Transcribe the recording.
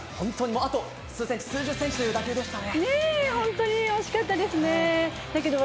亜希さん、あと数センチ、数十センチという感じでしたね。